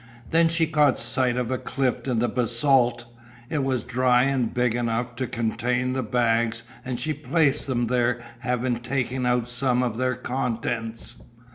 Then she caught sight of a cleft in the basalt. It was dry and big enough to contain the bags and she placed them there having taken out some of their contents.